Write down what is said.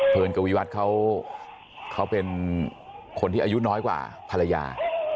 กวีวัฒน์เขาเป็นคนที่อายุน้อยกว่าภรรยา